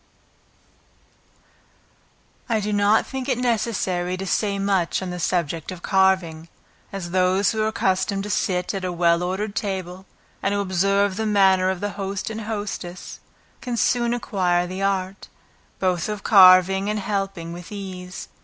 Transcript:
I do not think it necessary to say much on the subject of carving, as those who are accustomed to sit at a well ordered table, and who observe the manner of the host and hostess, can soon acquire the art, both of carving and helping with ease.